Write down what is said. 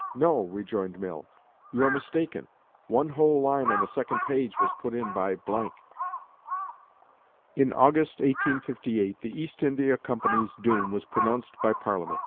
"No," rejoined Mill, "you are mistaken: one whole line on the second page was put in by ." In August, 1858, the East India Company's doom was pronounced by Parliament.